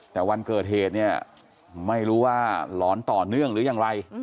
แต่วันเกิดเหตุเนี่ยไม่รู้ว่าหลอนต่อเนื่องหรือยังไร